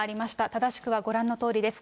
正しくはご覧のとおりです。